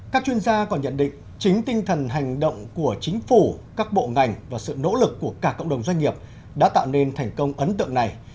các chuyên gia còn nhận định chính tinh thần hành động của chính phủ các bộ ngành và sự nỗ lực của cả cộng đồng doanh nghiệp đã tạo nên thành công ấn tượng này